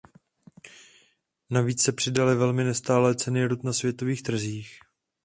Navíc se přidaly i velmi nestálé ceny rud na světových trzích.